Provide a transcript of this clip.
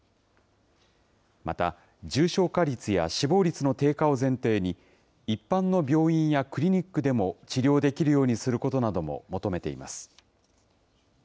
また、重症化率や死亡率の低下を前提に、一般の病院やクリニックでも治療できるようにすることなども求めています。